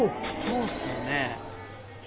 そうっすよね。